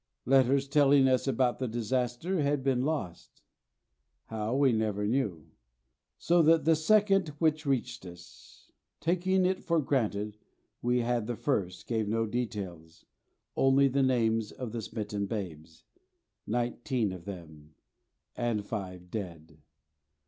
Letters telling us about the disaster had been lost how, we never knew so that the second which reached us, taking it for granted we had the first, gave no details, only the names of the smitten babes nineteen of them, and five dead.